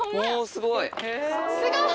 すごい！